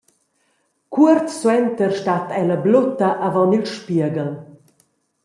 Cuort suenter stat ella blutta avon il spieghel.